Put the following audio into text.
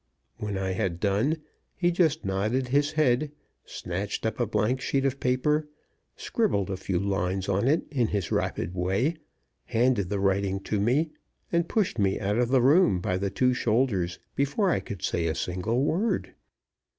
When I had done, he just nodded his head, snatched up a blank sheet of paper, scribbled a few lines on it in his rapid way, handed the writing to me, and pushed me out of the room by the two shoulders before I could say a single word.